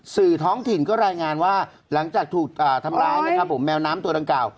สื่อท้องถิ่นก็รายงานว่าหลังจากถูกทำร้ายนะครับผมแมวน้ำตัวดังกล่าว